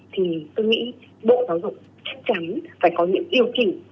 thì tôi nghĩ bộ giáo dục chắc chắn phải có những điều chỉnh